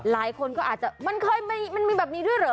หลายคนก็อาจจะมันเคยมันมีแบบนี้ด้วยเหรอ